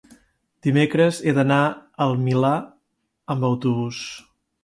dimecres he d'anar al Milà amb autobús.